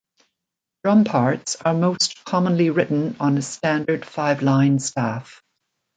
Drum parts are most commonly written on a standard five-line staff.